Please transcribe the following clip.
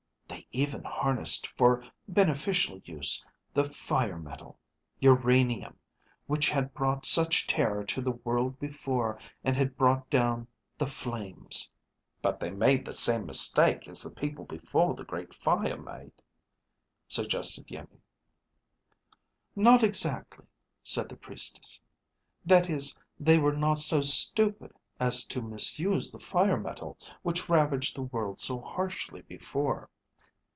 They even harnessed for beneficial use the fire metal, uranium, which had brought such terror to the world before and had brought down the flames." "But they made the same mistake as the people before the Great Fire made?" suggested Iimmi. "Not exactly," said the Priestess. "That is, they were not so stupid as to misuse the fire metal which ravaged the world so harshly before.